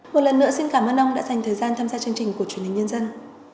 một lần nữa xin cảm ơn ông đã dành thời gian tham gia chương trình của truyền hình nhân dân